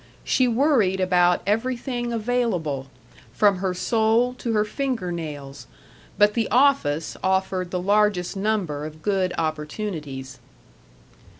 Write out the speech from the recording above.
She worried about everything available, from her soul to her finger nails; but the office offered the largest number of good opportunities.